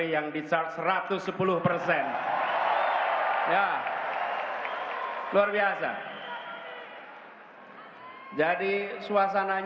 yang dari jawa barat